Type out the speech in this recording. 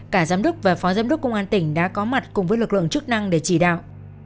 cả giám đốc và phó giám đốc công an tỉnh đã có mặt cùng với lực lượng chức năng để chỉ đạo